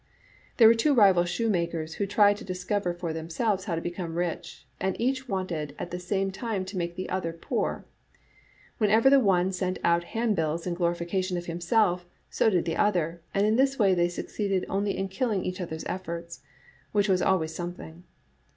There were two rival shoemakers who tried to dis cover for themselves how to become rich, and each wanted at the same time to make the other poor. Whenever the one sent out handbills in glorification of himself, so did the other, and in this way they suc ceeded only in killing each other's efforts — which was always something.